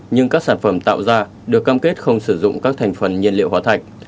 nhưng các sản phẩm tạo ra được cam kết không sử dụng các thành phần nhiên liệu hóa thạch